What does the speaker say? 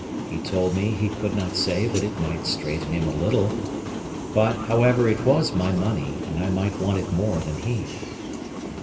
He told me he could not say but it might straiten him a little; but, however, it was my money, and I might want it more than he.